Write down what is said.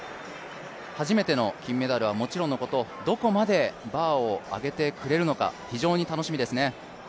初めての金メダルはもちろんのこと、どこまでバーを上げてくれるのか非常に楽しみですね。